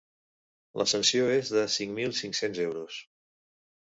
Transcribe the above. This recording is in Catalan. La sanció és de cinc mil cinc-cents euros.